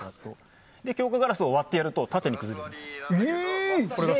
強化ガラスを割ると縦に崩れるんです。